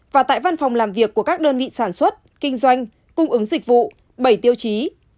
và tại văn phòng làm việc của các đơn vị sản xuất kinh doanh cung ứng dịch vụ bảy tiêu chí